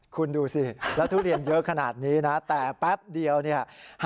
คุณดูสิแล้วทุเรียนเยอะขนาดนี้นะแต่แป๊บเดียวเนี่ย